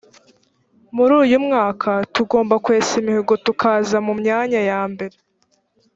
muri uyu mwaka tugomba kwesa imihigo tukaza mu myanya ya mbere